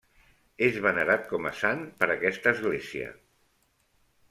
És venerat com a sant per aquesta església.